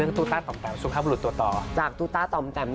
คุณผู้ชมไม่เจนเลยค่ะถ้าลูกคุณออกมาได้มั้ยคะ